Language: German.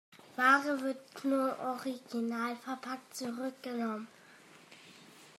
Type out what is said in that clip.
Ware wird nur originalverpackt zurückgenommen.